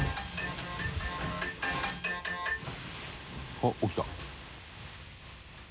「あっ起きた」